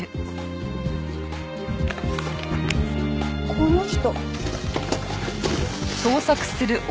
この人。